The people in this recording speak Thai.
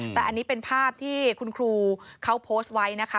แต่อันนี้เป็นภาพที่คุณครูเขาโพสต์ไว้นะคะ